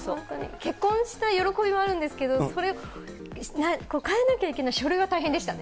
結婚した喜びもあるんですけど、それを変えなきゃいけない、書類は大変でしたね。